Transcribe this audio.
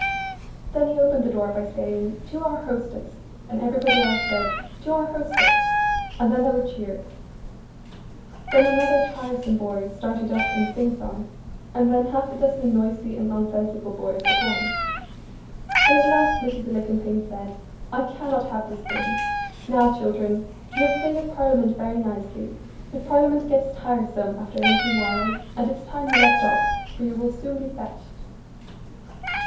Then he opened the door by saying, 'To our hostess!' and everybody else said 'To our hostess!' and then there were cheers. Then another tiresome boy started up in sing song, and then half a dozen noisy and nonsensical boys at once. But at last Mrs. Alicumpaine said, 'I cannot have this din. Now, children, you have played at parliament very nicely; but parliament gets tiresome after a little while, and it's time you left off, for you will soon be fetched.